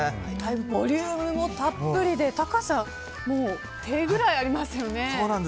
ボリュームもたっぷりで高さ、手ぐらいありますよね。